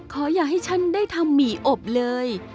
อย่าให้ฉันได้ทำหมี่อบเลย